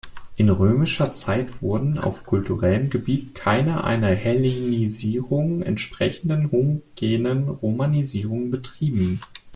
In römischer Zeit wurde auf kulturellem Gebiet keine einer Hellenisierung entsprechende homogene Romanisierung betrieben.